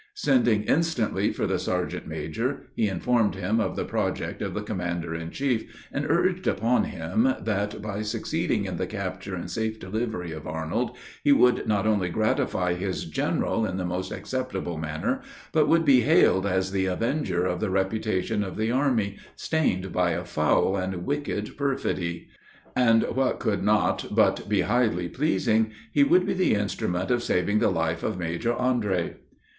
Sending instantly for the serjeant major, he informed him of the project of the commander in chief; and urged upon him, that, by succeeding in the capture and safe delivery of Arnold, he would not only gratify his general in the most acceptable manner, but would be hailed as the avenger of the reputation of the army, stained by a foul and wicked perfidy; and, what could not but be highly pleasing, he would be the instrument of saving the life of Major Andre.